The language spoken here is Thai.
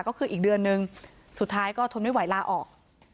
ก็คืออีกเดือนนึงสุดท้ายก็ทนไม่ไหวลาออก